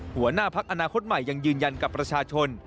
หัวหน้าพักอนาคตใหม่ยังยืนยันกับประชาชน